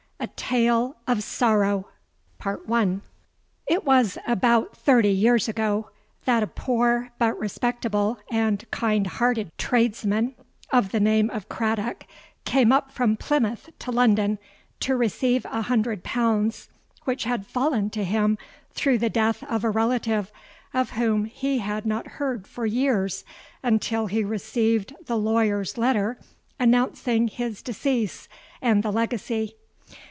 A TALE OF SORROW. "It was about thirty years ago that a poor but respectable and kind hearted tradesman, of the name of Craddock, came up from Plymouth to London to receive a hundred pounds which had fallen to him through the death of a relative of whom he had not heard for years until he received the lawyer's letter announcing his decease and the legacy.